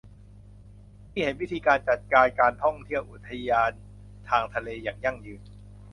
ที่เห็นวิธีการจัดการการท่องเที่ยวอุทยานทางทะเลอย่างยั่งยืน